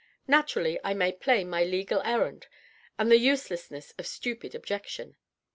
Naturally, I made plain my legal errand and the useless ness of stupid objection.